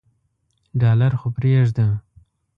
ډالر خو پریږده.